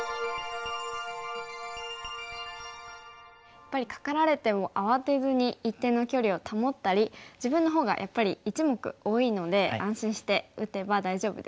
やっぱりカカられても慌てずに一定の距離を保ったり自分のほうがやっぱり１目多いので安心して打てば大丈夫ですね。